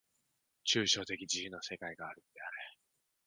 抽象的自由の世界があるのである。